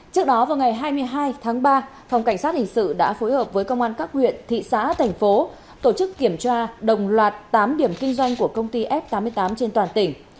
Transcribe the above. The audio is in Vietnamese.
trước đó vào ngày hai mươi hai tháng ba phòng cảnh sát hình sự đã phối hợp với công an các huyện thị xã thành phố tổ chức kiểm tra đồng loạt tám điểm kinh doanh của công ty f tám mươi tám trên toàn tỉnh